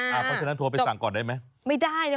เพราะฉะนั้นโทรไปสั่งก่อนได้ไหม